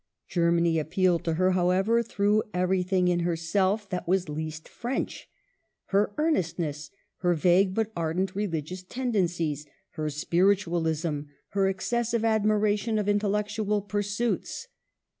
Germany appealed to her, however, through everything in herself that was least French ; her earnestness, her vague but ardent religious tendencies, her spiritualism, her exces^ sive admiration of intellectual pursuits.